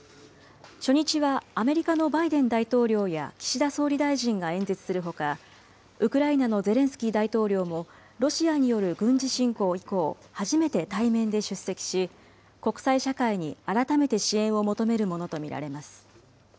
初日はアメリカのバイデン大統領や岸田総理大臣が演説するほか、ウクライナのゼレンスキー大統領もロシアによる軍事侵攻以降、初めて対面で出席し、国際社会に改めて支援を求めるものと見られます。